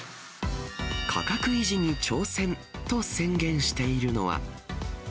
価格維持に挑戦と宣言しているのは。